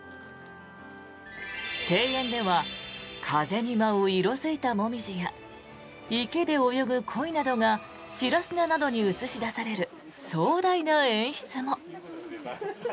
庭園では風に舞う色付いたモミジや池で泳ぐコイなどが白砂などに映し出される壮大な演出も。